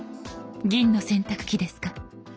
銀の洗濯機ですか？